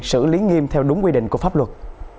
xử lý nghiêm theo đúng quy định của pháp luật